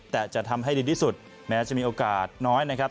แต่จะทำให้ดีที่สุดแม้จะมีโอกาสน้อยนะครับ